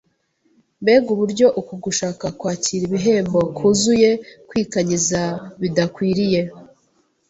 Mbega uburyo uku gushaka kwakira ibihembo kuzuye kwikanyiza bidakwiriye.